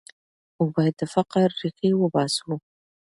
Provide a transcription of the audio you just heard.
موږ باید د فقر ریښې وباسو.